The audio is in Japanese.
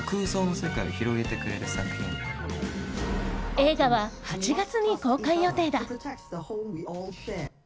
映画は８月に公開予定だ。